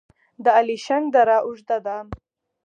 د الیشنګ دره اوږده ده